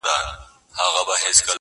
خدای به د وطن له مخه ژر ورک کړي دا شر.